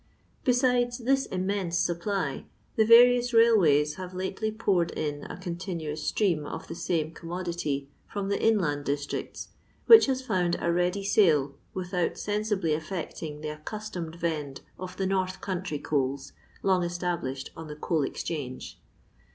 Besides this immense supply, the various railways have lately poured in a con tinuous stream of the same commodity from the inland districts, which has found a ready sale without sensibly affecting the accustomed vend of the north country coals, long established on the Coal Exchange.